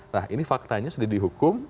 nah ini faktanya sudah di hukum